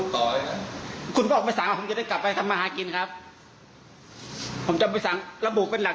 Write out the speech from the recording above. ถ้าคุณยังเขียนผมอยู่ผมก็จะไม่พูดต่อเลยครับ